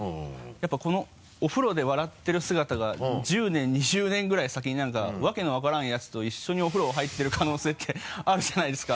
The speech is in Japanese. やっぱこのお風呂で笑ってる姿が１０年２０年ぐらい先になんかわけの分からんやつと一緒にお風呂入ってる可能性ってあるじゃないですか。